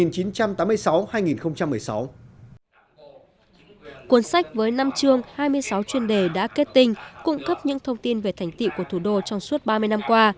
cuốn sách với năm chương hai mươi sáu chuyên đề đã kết tinh cung cấp những thông tin về thành tiệu của thủ đô trong suốt ba mươi năm qua